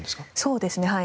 そうですねはい。